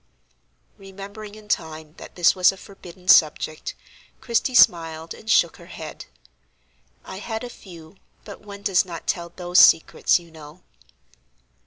Remembering in time that this was a forbidden subject, Christie smiled and shook her head. "I had a few, but one does not tell those secrets, you know."